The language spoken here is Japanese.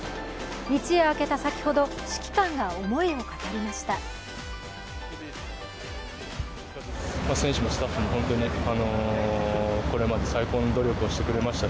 一夜明けた先ほど、指揮官が思いを語りました。